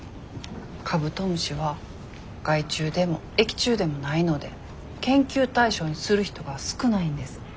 カブトムシは害虫でも益虫でもないので研究対象にする人が少ないんです。